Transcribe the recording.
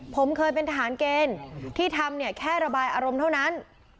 ผมเคยเป็นทหารเกณฑ์ที่ทำเนี่ยแค่ระบายอารมณ์เท่านั้น